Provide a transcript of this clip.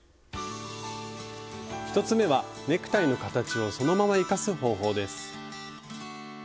１つ目はネクタイの形をそのまま生かす方法です。